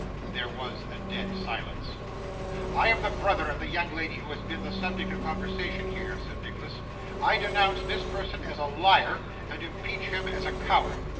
There was a dead silence. 'I am the brother of the young lady who has been the subject of conversation here,' said Nicholas. 'I denounce this person as a liar, and impeach him as a coward.